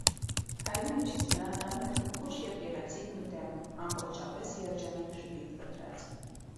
Հայելու միջից նրան նայում է քնքուշ և գեղեցիկ մի դեմք, ամբողջապես երջանիկ ժպիտ կտրած: